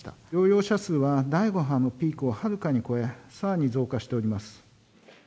療養者数は第５波のピークをはるかに超え、さらに増加しております。